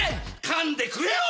かんでくれよ‼